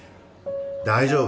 大丈夫。